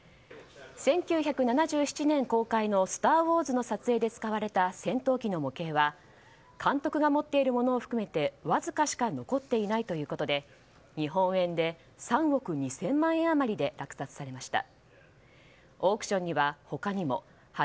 １９７７年公開の「スター・ウォーズ」の撮影で使われた戦闘機の模型は監督が持っているものを含めてわずかしか残っていないということで日本円で３億２０００万円余りで落札されました。